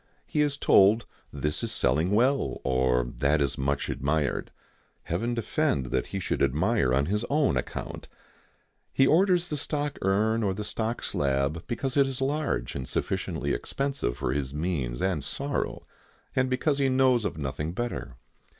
He is told this is selling well, or that is much admired. Heaven defend that he should admire on his own account! He orders the stock urn or the stock slab because it is large and sufficiently expensive for his means and sorrow, and because he knows of nothing better.